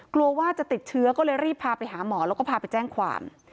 กลัวว่าจะติดเชื้อก็เลยรีบพาไปหาหมอแล้วก็พาไปแจ้งความ